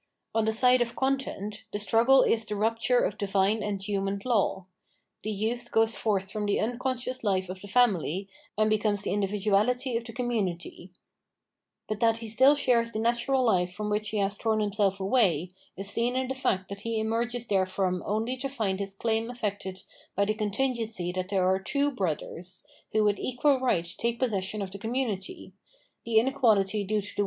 On the side of content, the struggle is the rupture of divine and human law. The youth goes forth from the unconscious life of the family and becomes the in dividuahty of the community [i.e. Ruler]. But that he still shares the natural fife from which he has torn ijjTiselt away, is seen in the fact that he emerges there only to find his claim afrected by the contingency ^ )re are two brothers * who with equal rig^it take ' of the community ; t the inequality .due to 4 ?